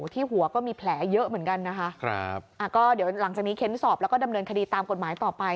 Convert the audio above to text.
ที่หัวก็มีแผลเยอะเหมือนกันนะคะครับอ่าก็เดี๋ยวหลังจากนี้เค้นสอบแล้วก็ดำเนินคดีตามกฎหมายต่อไป